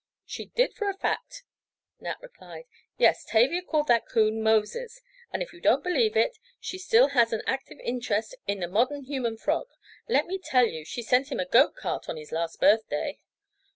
"She did for a fact," Nat replied. "Yes, Tavia called that coon Moses, and, if you don't believe it she still has an active interest in the modern human frog; let me tell you she sent him a goat cart on his last birthday."